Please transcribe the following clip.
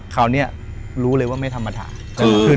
คือ